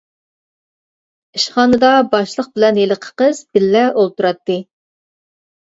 ئىشخانىدا باشلىق بىلەن ھېلىقى قىز بىللە ئولتۇراتتى.